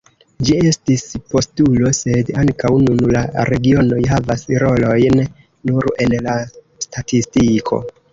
Ĝi estis postulo, sed ankaŭ nun la regionoj havas rolojn nur en la statistiko.